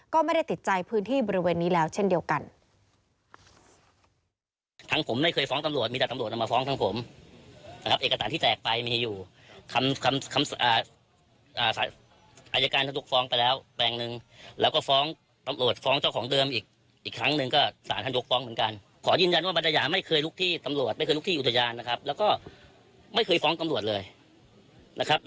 ก็ไม่ได้ติดใจพื้นที่บริเวณนี้แล้วเช่นเดียวกัน